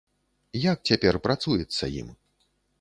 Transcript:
Як цяпер працуецца ім?